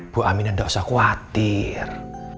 bu aminah gak usah khawatir